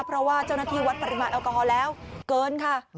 เพราะว่าเจ้าหน้าที่วัดปริมาณแอลกอฮอลแล้วเกินค่ะ